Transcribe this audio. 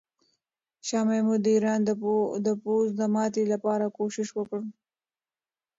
شاه محمود د ایران د پوځ د ماتې لپاره کوښښ وکړ.